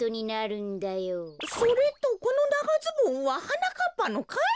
それとこのながズボンははなかっぱのかい？